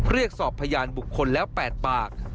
เรียกสอบพยานบุคคลแล้ว๘ปาก